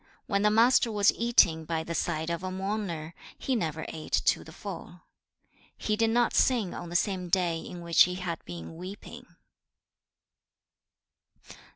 When the Master was eating by the side of a mourner, he never ate to the full. 2. He did not sing on the same day in which he had been weeping.